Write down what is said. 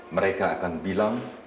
mereka akan bilang